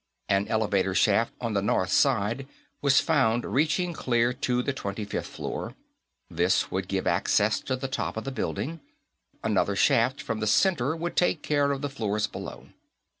An elevator shaft on the north side was found reaching clear to the twenty fifth floor; this would give access to the top of the building; another shaft, from the center, would take care of the floors below.